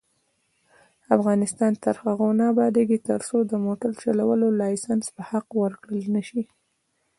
افغانستان تر هغو نه ابادیږي، ترڅو د موټر چلولو لایسنس په حق ورکړل نشي.